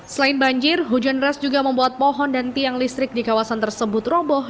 selain banjir hujan deras juga membuat pohon dan tiang listrik di kawasan tersebut roboh